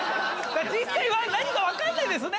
実際は何かわかんないですね。